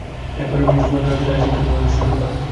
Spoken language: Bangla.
এর পরে রিচমন্ডেও একই ধারার শিক্ষা গ্রহণের সুযোগ পান।